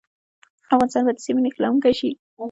افغانستان به د سیمې نښلونکی شي؟